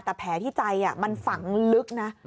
แต่แผลที่ใจมันฝังลึกนะ